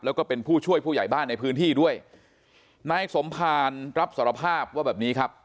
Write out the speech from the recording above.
แล้วก็เป็นผู้ช่วยผู้ใหญ่บ้านในพื้นที่ด้วยนายสมภารรับสารภาพว่าแบบนี้ครับ